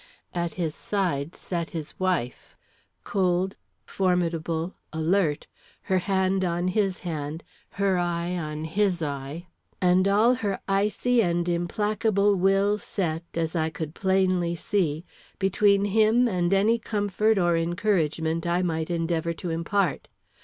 At his side sat his wife, cold, formidable, alert, her hand on his hand, her eye on his eye, and all her icy and implacable will set, as I could plainly see, between him and any comfort or encouragement I might endeavor to impart.